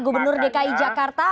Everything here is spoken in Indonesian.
gubernur dki jakarta